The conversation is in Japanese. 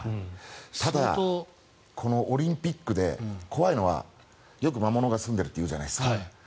ただ、オリンピックで怖いのはよく魔物がすんでいると言うじゃないですか。